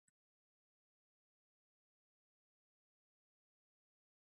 Its landscape is one of the most spectacular of Patagonia.